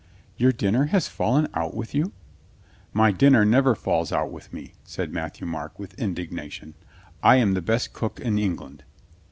"Your dinner has fallen out with you?" "My dinner never falls out with me," said Mat thieu Marc with indignation. "I am the best cook in England."